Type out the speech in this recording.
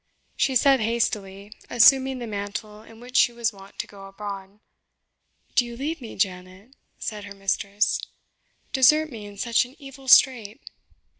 she said hastily assuming the mantle in which she was wont to go abroad. "Do you leave me, Janet?" said her mistress "desert me in such an evil strait?"